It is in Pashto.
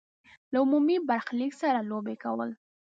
له عمومي برخلیک سره لوبې کول.